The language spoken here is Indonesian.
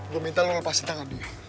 gue minta lo lepasi tangan dia